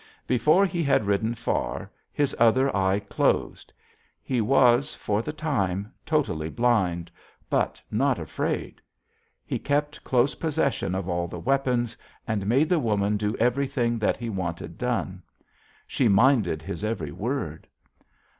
Before he had ridden far his other eye closed; he was, for the time, wholly blind; but not afraid. He kept close possession of all the weapons, and made the woman do everything that he wanted done. She minded his every word.